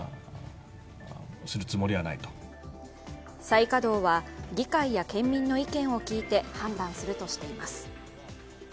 再稼働は議会や県民の意見を聞いて判断するとしています。